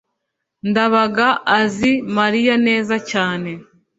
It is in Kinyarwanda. ndabaga azi mariya neza cyane